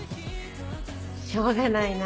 しょうがないな。